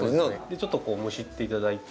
ちょっとむしって頂いて。